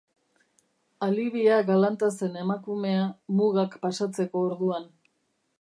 Alibia galanta zen emakumea, mugak pasatzeko orduan.